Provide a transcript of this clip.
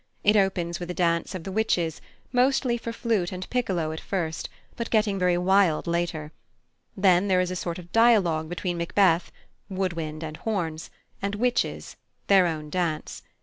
It opens with a dance of the Witches, mostly for flute and piccolo at first, but getting very wild later; then there is a sort of dialogue between Macbeth (wood wind and horns) and Witches (their own dance).